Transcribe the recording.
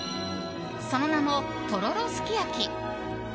その名も、とろろすき焼き。